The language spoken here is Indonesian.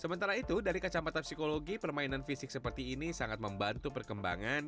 sementara itu dari kacamata psikologi permainan fisik seperti ini sangat membantu perkembangan